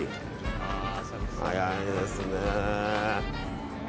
早いですね。